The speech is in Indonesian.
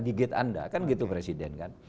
gigit anda kan gitu presiden kan